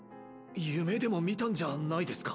夢でも見たんじゃあないですか？